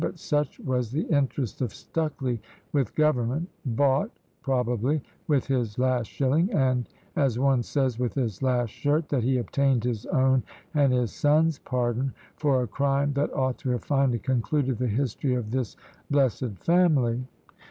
But such was the interest of Stucley with government, bought, probably, with his last shilling, and, as one says, with his last shirt, that he obtained his own and his son's pardon, for a crime that ought to have finally concluded the history of this blessed family.